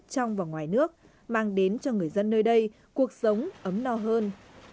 trong và ngoài nước mang đến cho người dân nơi đây cuộc sống ấm no hơn